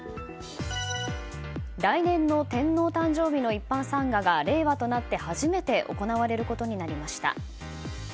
来年の天皇誕生日の一般参賀が令和となって初めて行われることになりました。